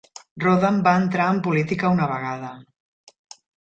Rodham va entrar en política una vegada.